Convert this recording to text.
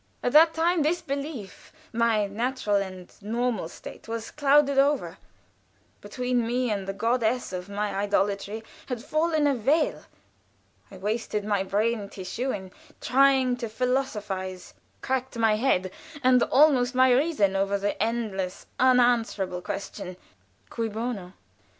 At that time this belief my natural and normal state was clouded over; between me and the goddess of my idolatry had fallen a veil; I wasted my brain tissue in trying to philosophize cracked my head, and almost my reason over the endless, unanswerable question, _Cui bono?